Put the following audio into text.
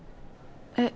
えっ。